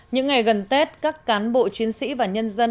những ngày gần tết các cán bộ chiến sĩ và nhân dân